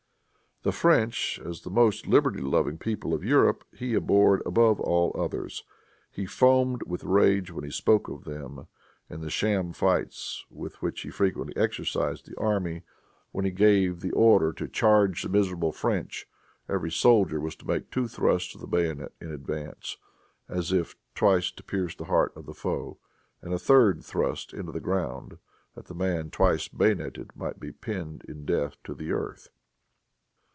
The French, as the most liberty loving people of Europe, he abhorred above all others. He foamed with rage when he spoke of them. In the sham fights with which he frequently exercised the army, when he gave the order to "charge the miserable French," every soldier was to make two thrusts of the bayonet in advance, as if twice to pierce the heart of the foe, and a third thrust into the ground, that the man, twice bayoneted, might be pinned in death to the earth.